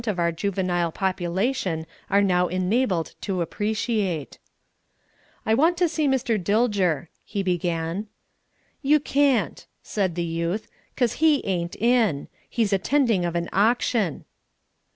of our juvenile population are now enabled to appreciate. "I want to see Mr. Dilger," he began. "You can't," said the youth. "'Cause he ain't in. He's attending of an auction."